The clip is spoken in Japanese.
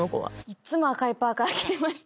いっつも赤いパーカ着てました。